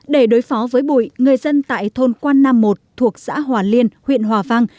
để đối phó với bụi người dân tại thôn quan nam một thuộc xã hòa liên huyện hòa vang